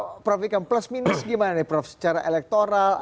saya mau ke prof ikam plus minus gimana nih prof secara elektoral